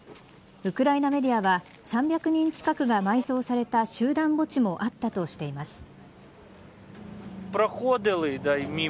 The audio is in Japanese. ウクライナメディアは３００人近くが埋葬された集団墓地もあったとしています。